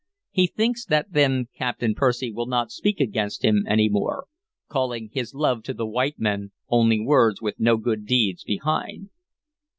He thinks that then Captain Percy will not speak against him any more, calling his love to the white men only words with no good deeds behind."